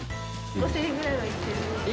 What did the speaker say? ５０００円ぐらいはいってる。